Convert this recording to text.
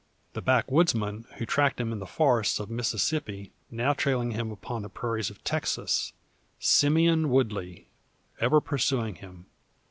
The backwoodsman who tracked him in the forests of Mississippi, now trailing him upon the prairies of Texas, Simeon Woodley ever pursuing him!